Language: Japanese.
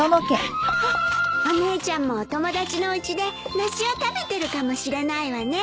お姉ちゃんもお友達のうちで梨を食べてるかもしれないわね。